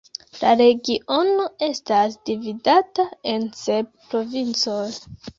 La regiono estas dividata en sep provincoj.